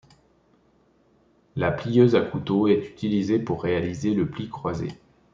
La plieuse à couteau est utilisée pour réaliser le pli croisé.